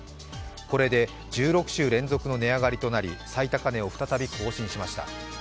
これで１６週連続の値上がりとなり最高値を再び更新しました。